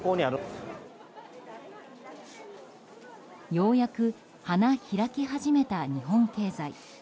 ようやく花開き始めた日本経済。